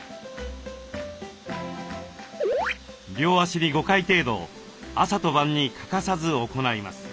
両脚に５回程度朝と晩に欠かさず行います。